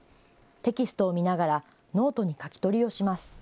テキストを見ながらノートに書き取りをします。